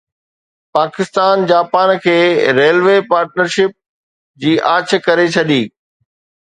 Pakistan Japan کي railway partnership جي آڇ ڪري ڇڏي